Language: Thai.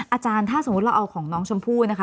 อาจารย์ถ้าสมมุติเราเอาของน้องชมพู่นะคะ